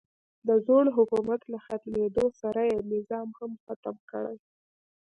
د زوړ حکومت له ختمېدو سره یې نظام هم ختم کړی.